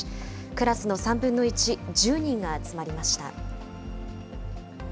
クラスの３分の１、１０人が集まりました。